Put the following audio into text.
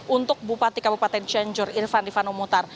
untuk bupati kabupaten cianjur irfan rifano mutar